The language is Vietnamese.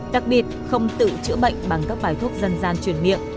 đặc biệt không tự chữa bệnh bằng các bài thuốc dân gian chuyển miệng